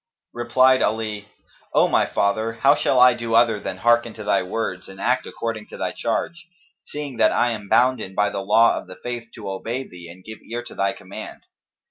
Replied Ali, "O my father, how shall I do other than hearken to thy words and act according to thy charge, seeing that I am bounden by the law of the Faith to obey thee and give ear to thy command?"